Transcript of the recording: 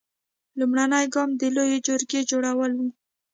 لومړنی ګام د لویې جرګې جوړول و.